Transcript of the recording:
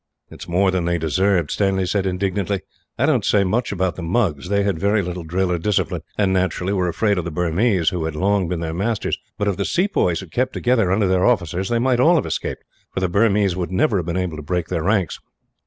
"It is more than they deserved," Stanley said indignantly. "I don't say much about the Mugs. They had very little drill or discipline and, naturally, were afraid of the Burmese, who had long been their masters; but if the sepoys had kept together under their officers, they might all have escaped, for the Burmese would never have been able to break their ranks."